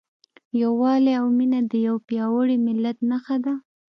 یووالی او مینه د یو پیاوړي ملت نښه ده.